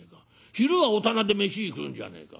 昼は御店で飯食うんじゃねえか。